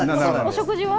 お食事は？